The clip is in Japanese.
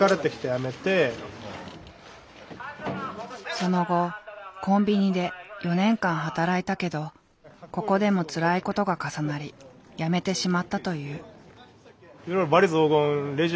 その後コンビニで４年間働いたけどここでもつらいことが重なり辞めてしまったという。